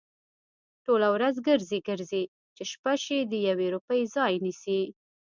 ټوله ورځ گرځي، گرځي؛ چې شپه شي د يوې روپۍ ځای نيسي؟